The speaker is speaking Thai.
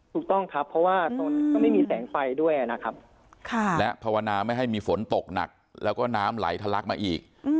ถูกต้องครับเพราะว่าตอนนี้ก็ไม่มีแสงไฟด้วยนะครับและภาวนาไม่ให้มีฝนตกหนักแล้วก็น้ำไหลทะลักมาอีก